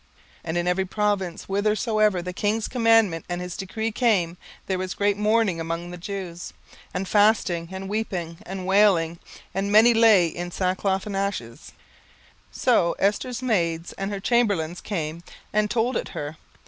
17:004:003 And in every province, whithersoever the king's commandment and his decree came, there was great mourning among the Jews, and fasting, and weeping, and wailing; and many lay in sackcloth and ashes. 17:004:004 So Esther's maids and her chamberlains came and told it her.